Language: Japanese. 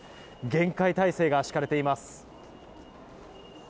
厳戒態勢が敷かれています。